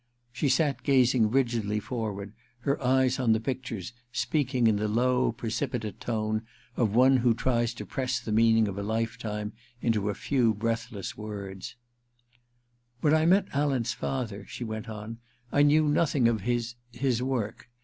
' She sat gazing rigidly forward, her eyes on the pictures, speak ing in the low precipitate tone of one who tries to press the meaning of a lifetime into a few breathless sentences. * When I met Alan's father,' she went on, * I knew nothing of his — his work.